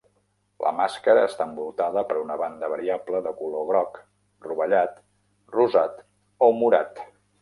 La màscara està envoltada per una banda variable de color groc, rovellat, rosat o morat.